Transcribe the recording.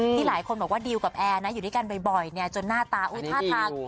หลายคนบอกว่าดิวกับแอร์นะอยู่ด้วยกันบ่อยจนหน้าตาท่าทาง